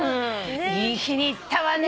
いい日に行ったわね。